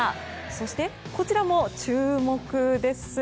そして、こちらも注目です。